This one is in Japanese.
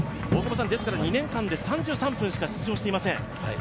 大久保さん、２年間で３３分しか出場していません。